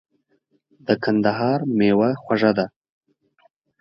د کندهار مېوه خوږه ده .